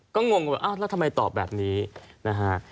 ก็งงว่าอ้าวแล้วทำไมตอบแบบนี้นะฮะ